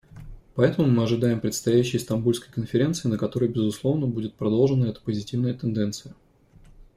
Поэтому мы ожидаем предстоящей Стамбульской конференции, на которой, безусловно, будет продолжена эта позитивная тенденция.